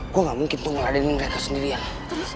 gue gak mungkin tunggal ada ini mika sendirian